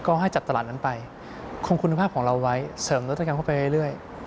ก็ให้จัดตลาดนั้นไปคงคุณภาพของเราไว้เสริมนวัตกรรมเข้าไปเรื่อย